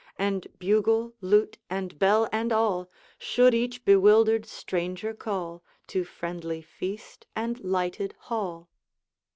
And bugle, lute, and bell, and all, Should each bewildered stranger call To friendly feast and lighted hall.